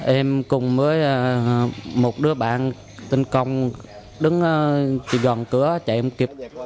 em cùng với một đứa bạn tấn công đứng gần cửa chạy không kịp